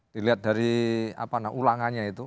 dilihat dari ulangannya itu